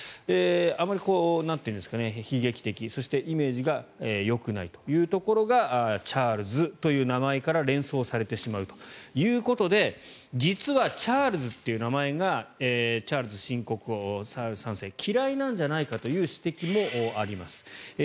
あまり悲劇的、そしてイメージがよくないというところがチャールズという名前から連想されてしまうということで実はチャールズっていう名前がチャールズ新国王、３世嫌いなんじゃないかという指摘もあります。